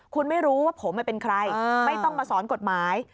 คุณไม่รู้ว่าผมเป็นใครไม่ต้องมาสอนกฎหมาย